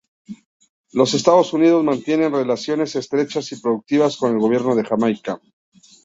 Los Estados Unidos mantienen relaciones estrechas y productivas con el Gobierno de Jamaica.